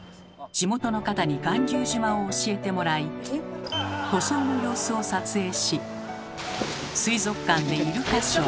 地元の方に巌流島を教えてもらい塗装の様子を撮影し水族館でイルカショー。